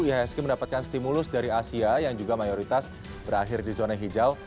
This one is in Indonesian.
ihsg mendapatkan stimulus dari asia yang juga mayoritas berakhir di zona hijau